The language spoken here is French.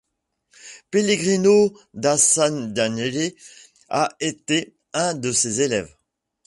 Pellegrino da San Daniele a été un de ses élèves.